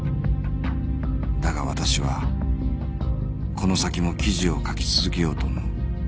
だが私はこの先も記事を書き続けようと思う